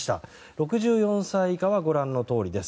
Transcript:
６４歳以下はご覧のとおりです。